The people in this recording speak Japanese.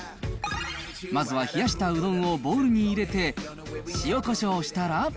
まずは冷やしたうどんをボウルに入れて、塩こしょうをしたら。